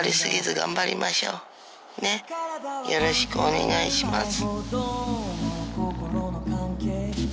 よろしくお願いします。